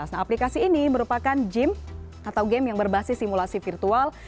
nah aplikasi ini merupakan gym atau game yang berbasis simulasi virtual